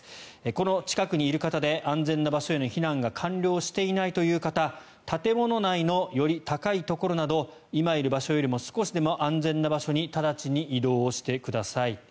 この近くにいる方で安全な場所への避難が完了していないという方建物内のより高いところなど今いる場所よりも少しでも安全な場所に移動してください。